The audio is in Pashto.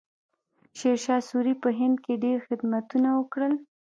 شیرشاه سوري په هند کې ډېر خدمتونه وکړل.